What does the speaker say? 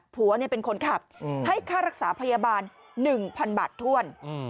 ผัวเป็นคนขับให้ค่ารักษาพยาบาล๑๐๐๐บาทถ้วน